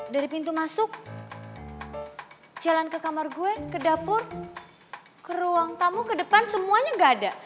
dari pintu masuk jalan ke kamar gue ke dapur ke ruang tamu ke depan semuanya gak ada